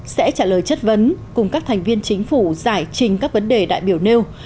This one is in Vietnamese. sẽ trả lời chất vấn cùng các thành viên chính phủ giải trình các vấn đề đại biểu nêu